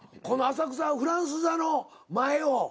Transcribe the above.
この「浅草フランス座」の前を。